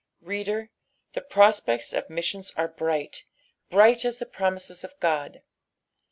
Reader, the prospects of missions are bright, bri)^ht as the promises of Ood.